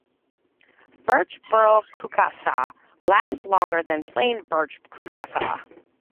Birch burl kuksas last longer than plain birch kuksas.